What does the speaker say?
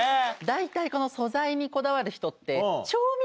大体この素材にこだわる人って。